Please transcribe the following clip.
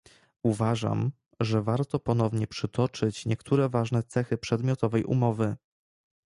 Uważam, że warto ponownie przytoczyć niektóre ważne cechy przedmiotowej umowy